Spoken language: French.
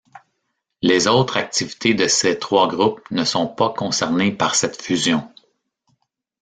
Les autres activités de ces trois groupes ne sont pas concernées par cette fusion.